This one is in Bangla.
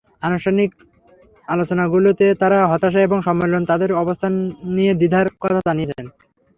অনানুষ্ঠানিক আলোচনাগুলোতে তাঁরা হতাশা এবং সম্মেলনে তাঁদের অবস্থান নিয়ে দ্বিধার কথা জানিয়েছেন।